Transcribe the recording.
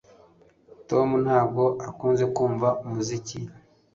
Tom ntabwo akunze kumva umuziki